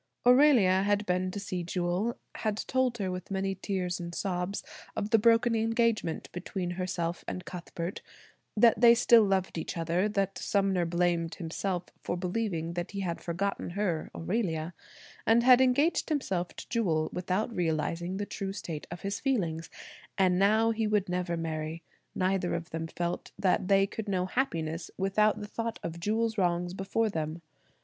Aurelia had been to see Jewel, had told her with many tears and sobs, of the broken engagement between herself and Cuthbert, that they still loved each other, that Sumner blamed himself for believing that he had forgotten her (Aurelia) and had engaged himself to Jewel without realizing the true state of his feelings, and now he would never marry–neither of them felt that they could know happiness without the thought of Jewel's wrongs before them.